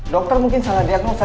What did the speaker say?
dokter mungkin salah diagnosa